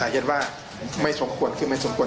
เย็นว่าไม่สมควรคือไม่สมควร